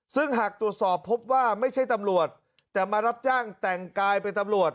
ซึ่งหากตรวจสอบพบว่าไม่ใช่ตำรวจแต่มารับจ้างแต่งกายเป็นตำรวจ